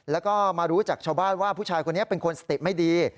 แล้วก็มารู้จากชาวบ้านว่าผู้ชายคนนี้เป็นคนสติไม่ดี